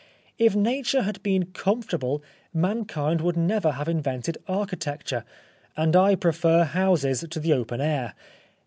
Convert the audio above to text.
... If Nature had been comfortable mankind would never have invented architecture, and I prefer houses to the open air.